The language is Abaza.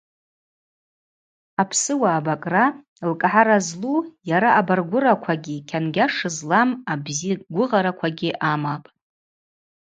Апсыуа абакӏра лкӏгӏара злу йара абаргвыраквагьи кьангьаш злам абзигвыгъараквагьи амапӏ.